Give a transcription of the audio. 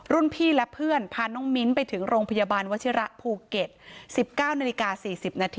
รุ่นพี่และเพื่อนพาน้องมิ้นท์ไปถึงโรงพยาบาลวชิระภูเก็ต๑๙น๔๐น